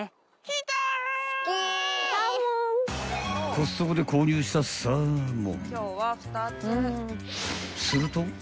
［コストコで購入したサーモン］